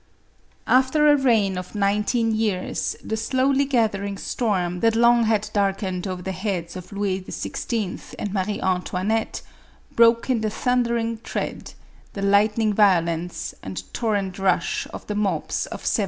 After a reign of nineteen years, the slowly gathering storm that long had darkened over the heads of Louis XVI. and Marie Antoinette, broke in the thundering tread, the lightning violence, and torrent rush of the mobs of 1789.